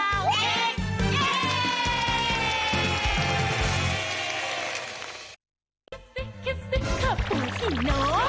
เฮ้ลาเต้นลาเต้น